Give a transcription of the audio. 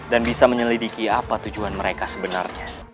dan bisa menyelidiki apa tujuan mereka sebenarnya